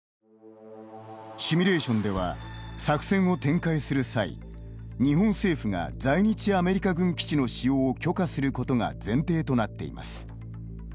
シミュレーションでは作戦を展開する際、日本政府が在日アメリカ軍基地の使用を許可することが前提となっています。